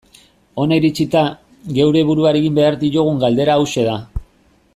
Hona iritsita, geure buruari egin behar diogun galdera hauxe da.